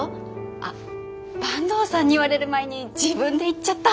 あ坂東さんに言われる前に自分で言っちゃった。